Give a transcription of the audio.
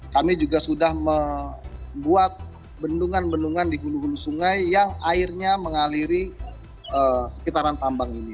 kami juga sudah membuat bendungan bendungan di gunung gunung sungai yang airnya mengaliri sekitaran tambang ini